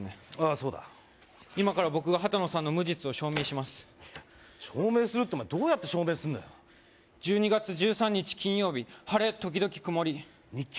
そうだ今から僕がハタノさんの無実を証明します証明するってお前どうやって証明すんだよ１２月１３日金曜日晴れ時々曇り日記？